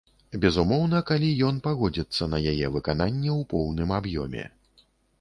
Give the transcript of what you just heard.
Безумоўна, калі ён пагодзіцца на яе выкананне ў поўным аб'ёме.